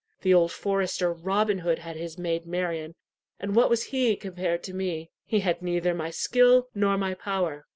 The old forester, Robin Hood, had his maid Marian; and what was he compared to me? He had neither my skill nor my power.